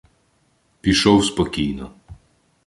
Пішов спокійно.